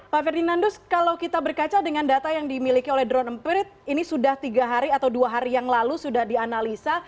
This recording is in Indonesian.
pak ferdinandus kalau kita berkaca dengan data yang dimiliki oleh drone empirit ini sudah tiga hari atau dua hari yang lalu sudah dianalisa